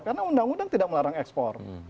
karena undang undang tidak melarang ekspor